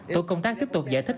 tổ công tác tiếp tục giải thích